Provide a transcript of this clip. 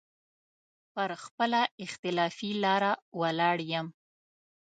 پر خپله اختلافي لاره ولاړ يم.